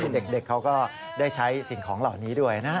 เด็กเขาก็ได้ใช้สิ่งของเหล่านี้ด้วยนะ